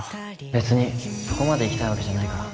別にそこまで行きたいわけじゃないから